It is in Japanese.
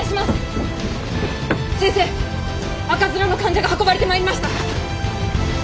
赤面の患者が運ばれてまいりました！